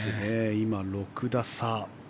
今、６打差。